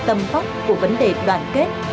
tâm vóc của vấn đề đoàn kết